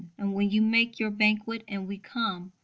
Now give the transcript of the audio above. And when you make your banquet, and we come.